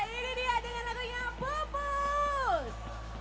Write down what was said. ini dia dengan lagunya bubus